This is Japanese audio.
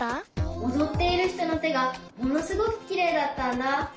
おどっているひとのてがものすごくきれいだったんだ。